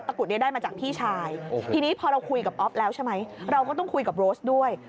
กรุดนี้ได้มาจากพี่ชายทีนี้พอเราคุยกับอ๊อฟแล้วใช่ไหมเราก็ต้องคุยกับโรสด้วย